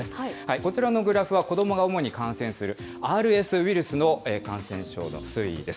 こちらのグラフは、子どもが主に感染するＲＳウイルスの感染症の推移です。